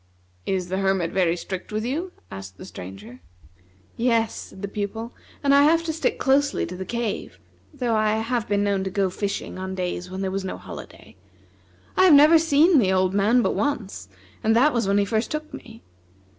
"Is the Hermit very strict with you?" asked the Stranger. "Yes," said the Pupil, "I have to stick closely to the cave; though I have been known to go fishing on days when there was no holiday. I have never seen the old man but once, and that was when he first took me.